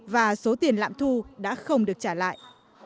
và số tiền lạm thu đã không được trả lại